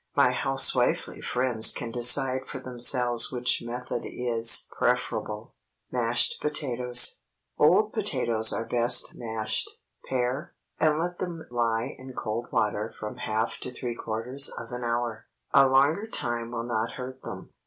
My housewifely friends can decide for themselves which method is preferable. MASHED POTATOES. ✠ Old potatoes are best mashed. Pare, and let them lie in cold water from half to three quarters of an hour. A longer time will not hurt them.